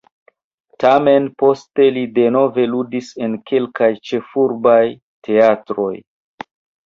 Tamen poste li denove ludis en kelkaj ĉefurbaj teatroj.